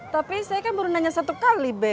tapi saya kan baru nanya satu kali b